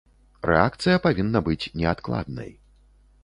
Рэакцыя павінна быць неадкладнай.